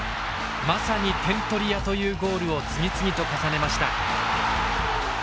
まさに点取り屋というゴールを次々と重ねました。